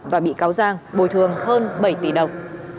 và bị cáo giang bồi thường hơn bảy tỷ đồng